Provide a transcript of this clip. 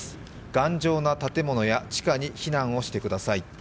頑丈な建物や地下に避難をしてください。